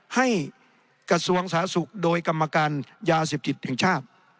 กระทรวงสาธารณสุขโดยกรรมการยาเสพติดแห่งชาติ